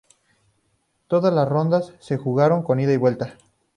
Todas las rondas se jugaron con ida y sin vuelta.